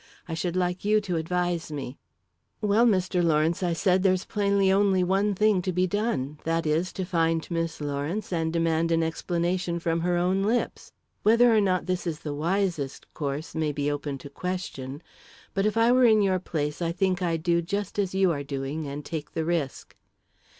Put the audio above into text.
I should like you to advise me." "Well, Mr. Curtiss," I said, "there's plainly only one thing to be done that is, to find Miss Lawrence and demand an explanation from her own lips. Whether or not this is the wisest course, may be open to question but if I were in your place, I think I'd do just as you are doing and take the risk."